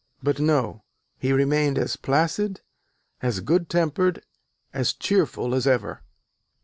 But no: he remained as placid, as good tempered, as cheerful as ever.